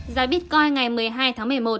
giá bitcoin ngày một mươi hai tháng một mươi một